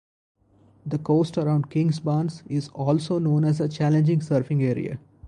The coast around Kingsbarns is also known as a challenging surfing area.